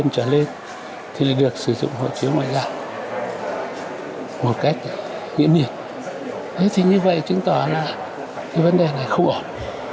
thế thì như vậy chứng tỏ là cái vấn đề này không ổn